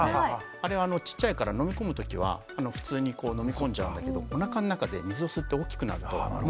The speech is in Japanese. あれはちっちゃいから飲み込むときは普通に飲み込んじゃうんだけどおなかの中で水を吸って大きくなるともう出なくなっちゃうんですね。